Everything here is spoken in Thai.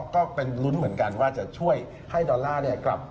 ก็เป็นลุ้นเหมือนกันว่าจะช่วยให้ดอลลาร์กลับ